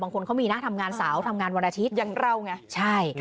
คนเขามีนะทำงานสาวทำงานวันอาทิตย์อย่างเราไงใช่